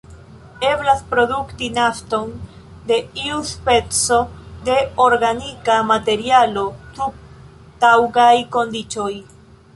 Eblas produkti nafton de iu speco de organika materialo sub taŭgaj kondiĉoj.